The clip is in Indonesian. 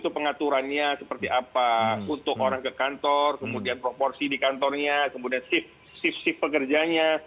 pengaturannya seperti apa untuk orang ke kantor kemudian proporsi di kantornya kemudian shift shift pekerjanya